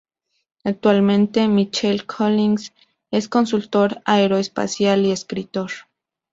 Actualmente Michael Collins es consultor aeroespacial y escritor.